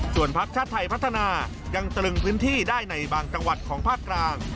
ส่วนพักชาติไทยพัฒนายังตรึงพื้นที่ได้ในบางจังหวัดของภาคกลาง